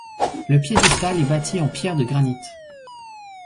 Le piédestal est bâti en pierre de granit.